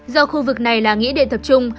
do khu vực này là nghĩa địa tượng